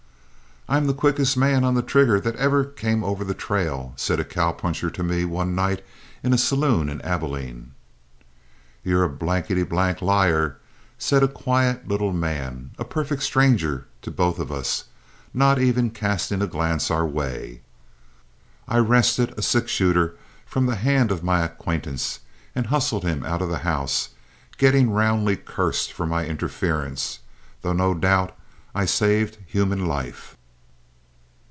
"I'm the quickest man on the trigger that ever came over the trail," said a cowpuncher to me one night in a saloon in Abilene. "You're a blankety blank liar," said a quiet little man, a perfect stranger to both of us, not even casting a glance our way. I wrested a six shooter from the hand of my acquaintance and hustled him out of the house, getting roundly cursed for my interference, though no doubt I saved human life.